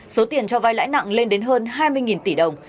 số tiền cho vai lãi nặng lên đến hơn hai mươi tỷ đồng